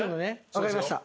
分かりました。